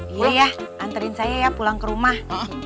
iya ya anterin saya ya pulang ke rumah